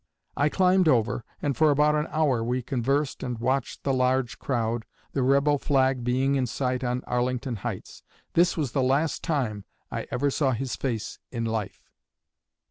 I climbed over, and for about an hour we conversed and watched the large crowd, the rebel flag being in sight on Arlington Heights. This was the last time I ever saw his face in life."